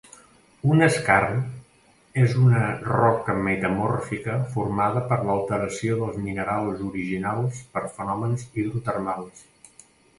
Un skarn és una roca metamòrfica formada per l'alteració dels minerals originals per fenòmens hidrotermals.